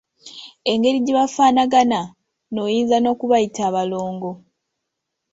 Engeri gye bafaanagana n'oyinza okubayita abalongo..